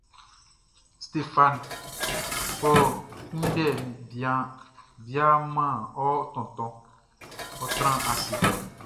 Stéphane, kɔ kunndɛ bia man ɔ tontonʼn; ɔ́ trán ase.